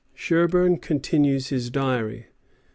Sherburn continues his diary.